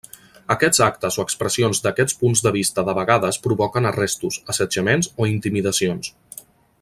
Aquests actes o expressions d'aquests punts de vista de vegades provoquen arrestos, assetjaments o intimidacions.